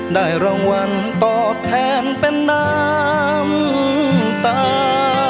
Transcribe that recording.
ได้รางวัลตอบแทนเป็นน้ำตา